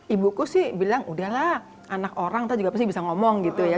ibuku sih bilang udahlah anak orang itu juga pasti bisa ngomong gitu ya